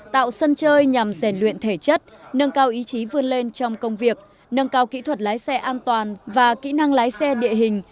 tạo sân chơi nhằm rèn luyện thể chất nâng cao ý chí vươn lên trong công việc nâng cao kỹ thuật lái xe an toàn và kỹ năng lái xe địa hình